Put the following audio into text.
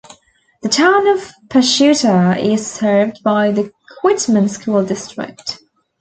The town of Pachuta is served by the Quitman School District.